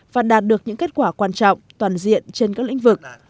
và đạt được những kết quả quan trọng toàn diện trên các lĩnh vực